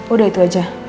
udah itu aja